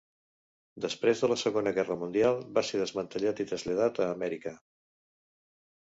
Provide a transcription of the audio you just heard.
Després de la Segona Guerra Mundial va ser desmantellat i traslladat a Amèrica.